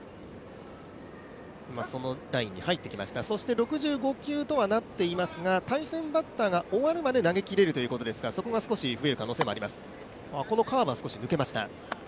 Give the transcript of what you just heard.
そして、６５球とはなっていますが、対戦バッターが終わるまで投げきれるというところですからそこが少し増える可能性があります。